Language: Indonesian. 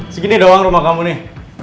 segini doang rumah kamu nih